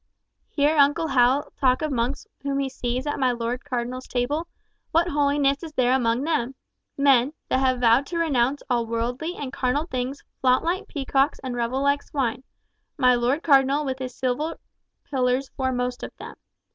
"Hear uncle Hal talk of monks whom he sees at my Lord Cardinal's table! What holiness is there among them? Men, that have vowed to renounce all worldly and carnal things flaunt like peacocks and revel like swine—my Lord Cardinal with his silver pillars foremost of them!